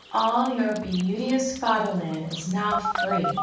All your beauteous Fatherland is now free....